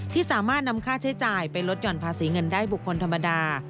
ที่สามารถนำค่าใช้จ่ายไปลดหย่อนภาษีเงินได้บุคคลธรรมดา